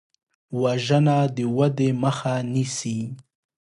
وژنه د ودې مخه نیسي